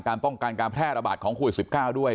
ป้องกันการแพร่ระบาดของโควิด๑๙ด้วย